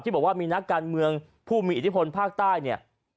บอกว่ามีนักการเมืองผู้มีอิทธิพลภาคใต้เนี่ย